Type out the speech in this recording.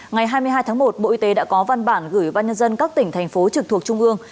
ngày hai mươi hai tháng một bộ y tế đã có văn bản gửi ban nhân dân các tỉnh thành phố trực thuộc trung ương